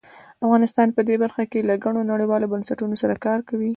افغانستان په دې برخه کې له ګڼو نړیوالو بنسټونو سره کار کوي.